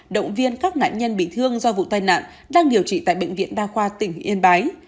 động viên các nạn nhân bị thương do vụ tai nạn đang điều trị tại bệnh viện đa khoa tỉnh yên bái